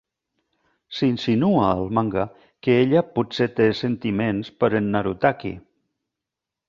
S'insinua al manga que ella potser té sentiments per en Narutaki.